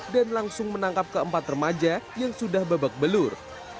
dan langsung menangkap keempat remaja yang sudah babak belur